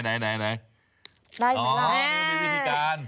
อ๋อนี่มันมีวิธีการ